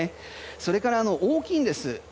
それから、大きいんです。